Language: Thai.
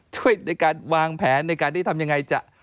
ช่วยในการวางแผนในการที่ทำยังไงจะ